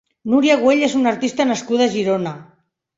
Núria Güell és una artista nascuda a Girona.